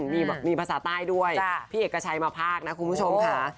มีภาษาใต้ด้วยพี่เอกชัยมาภาคนะคุณผู้ชมค่ะ